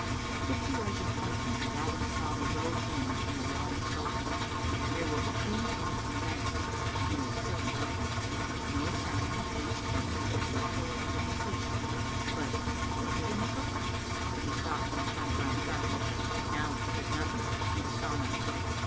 Fifty yards in front of him Gavin saw the road end in a wall of soldiers. They were between him and the manse, and he was still in darkness. No sound reached him, save the echo of his own feet. But was it an echo? He stopped, and turned round sharply. Now he beard nothing, he saw nothing.